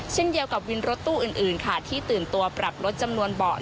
เช่นเดียวกับวินรถตู้อื่นค่ะที่ตื่นตัวปรับลดจำนวนเบาะ